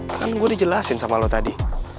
kan gue dijelasin sama lo tadi